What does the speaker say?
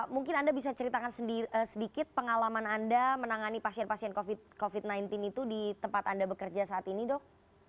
mungkin anda bisa ceritakan sedikit pengalaman anda menangani pasien pasien covid sembilan belas itu di tempat anda bekerja saat ini dok